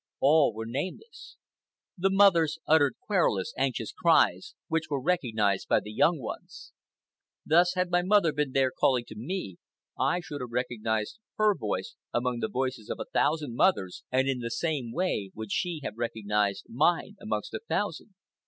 All were nameless. The mothers uttered querulous, anxious cries, which were recognized by the young ones. Thus, had my mother been there calling to me, I should have recognized her voice amongst the voices of a thousand mothers, and in the same way would she have recognized mine amongst a thousand.